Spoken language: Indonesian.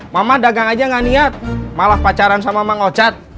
mama dagang aja gak niat malah pacaran sama bang ocat